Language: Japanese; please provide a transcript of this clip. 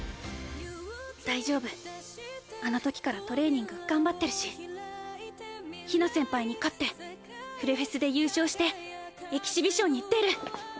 大丈夫あのときからトレーニング頑張ってるしひな先輩に勝ってフレフェスで優勝してエキシビションに出る！